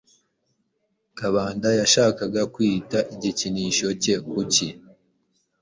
Kabanda yashakaga kwita igikinisho cye kuki.